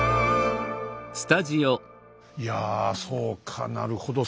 いやそうかなるほど。